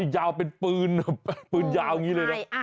ยาวเป็นปืนปืนยาวอย่างนี้เลยนะ